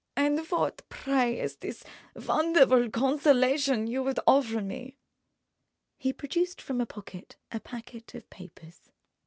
"And what, pray, is this wonderful consolation you would offer me?" He produced from a pocket a packet of papers.